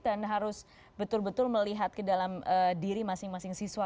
dan harus betul betul melihat ke dalam diri masing masing siswa